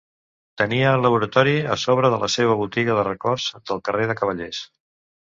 Tenia el laboratori a sobre de la seva botiga de records del carrer de Cavallers.